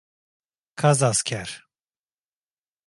Kazasker